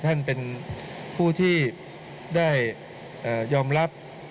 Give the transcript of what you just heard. ท่านเป็นผู้ที่ได้ยอมรับ